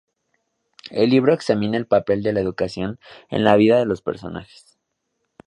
El libro examina el papel de la educación en las vidas de los personajes.